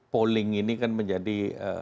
polling ini kan menjadi